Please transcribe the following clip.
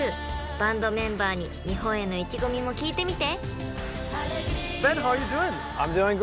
［バンドメンバーに日本への意気込みも聞いてみて］